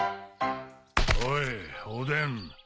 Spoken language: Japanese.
おいおでん